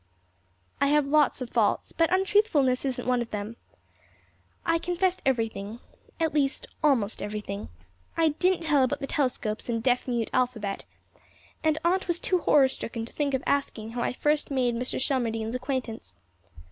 I have lots of faults, but untruthfulness isn't one of them. I confessed everything at least, almost everything. I didn't tell about the telescopes and deaf mute alphabet, and Aunt was too horror stricken to think of asking how I first made Mr. Shelmardine's acquaintance.